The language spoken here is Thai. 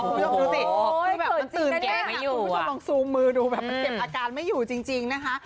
เกิดจีนแกะไม่อยู่คุณผู้ชมลองซูมมือดูแบบมันเก็บอาการไม่อยู่จริงนะคะ